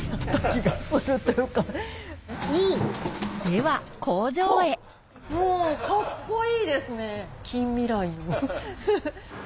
では工場へもうカッコいいですね近未来の。